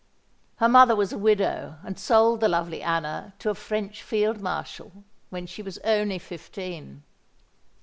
Her mother was a widow, and sold the lovely Anna to a French Field Marshal, when she was only fifteen.